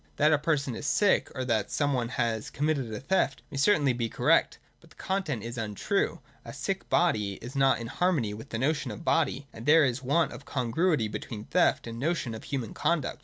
That a person is sick, or that some one has com mitted a theft, may certainly be correct. But the content is untrue. A sick body is not in harmony with the notion of body, and there is a 'want of congruity between theft and the notion of human conduct.